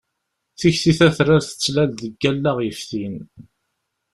Tikti tatrart tettlal-d deg wallaɣ yeftin.